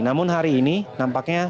namun hari ini nampaknya